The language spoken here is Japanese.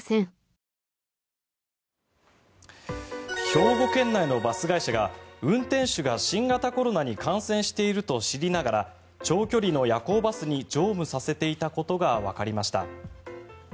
兵庫県内のバス会社が運転手が新型コロナに感染していると知りながら長距離の夜行バスに乗務させていたことがわかりました。